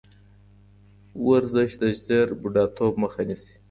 ورزش د ژر بوډاتوب مخه نیسي.